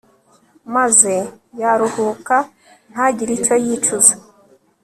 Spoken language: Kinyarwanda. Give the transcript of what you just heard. maze yaruhuka, ntagire icyo yicuza